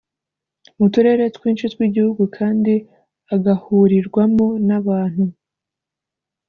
mu turere twinshi tw igihugu kandi agahurirwamo n abantu